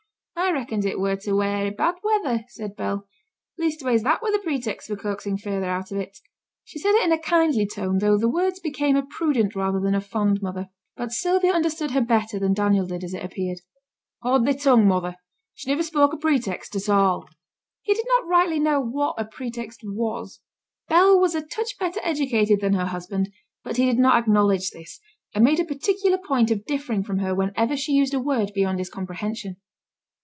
'I reckoned it were to wear i' bad weather,' said Bell. 'Leastways that were the pretext for coaxing feyther out o' it.' She said it in a kindly tone, though the words became a prudent rather than a fond mother. But Sylvia understood her better than Daniel did as it appeared. 'Hou'd thy tongue, mother. She niver spoke a pretext at all.' He did not rightly know what a 'pretext' was: Bell was a touch better educated than her husband, but he did not acknowledge this, and made a particular point of differing from her whenever she used a word beyond his comprehension.